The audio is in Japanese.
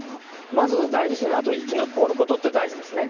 まず大地震のあと生き残ることって大事ですね。